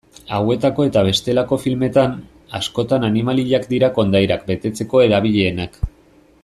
Hauetako eta bestelako filmetan, askotan animaliak dira kondairak betetzeko erabilienak.